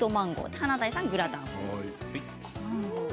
華大さんがグラタン。